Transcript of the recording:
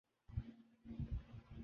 ایسے لوگ جو کم نظری کے حامل